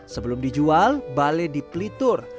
sebelum dijual bale dipelitur